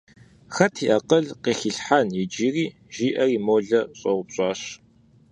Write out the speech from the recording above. Хэт и акъыл къыхилъхьэн иджыри, – жиӀэри молэр щӀэупщӀащ.